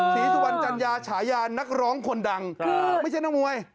ศรีสุวรรณจัญญาฉายานักร้องคนดังไม่ใช่นักมวย